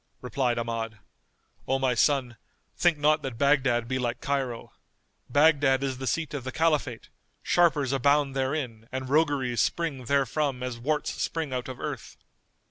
Replied Ahmad, "O my son, think not that Baghdad be like Cairo. Baghdad is the seat of the Caliphate; sharpers abound therein and rogueries spring therefrom as worts spring out of earth."